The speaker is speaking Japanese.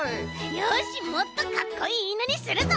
よしもっとかっこいいいぬにするぞ！